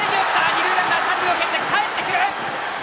二塁ランナー、三塁蹴ってかえってくる！